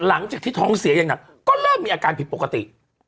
หลังจากที่ท้องเสียอย่างหนักก็เริ่มมีอาการผิดปกติ